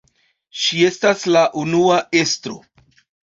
Ŝi estas la unua estro.